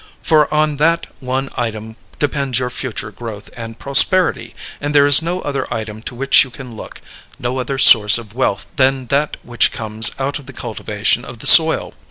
For on that one item depends your future growth and prosperity, and there is no other item to which you can look; no other source of wealth than that which comes out of the cultivation of the soil.